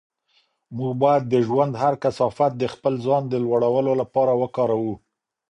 موږ باید د ژوند هر کثافت د خپل ځان د لوړولو لپاره وکاروو.